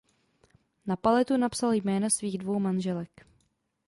Na paletu napsal jména svých dvou manželek.